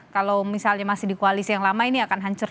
kalau misalnya masih di koalisi yang lama ini akan hancur